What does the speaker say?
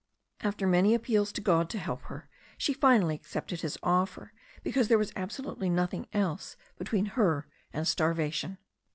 After many appeals to God to help her, she finally accepted his offer because there was absolutely nothing else between her and starvation.